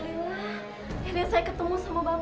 akhirnya saya ketemu sama bapak